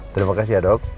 terima kasih ya dok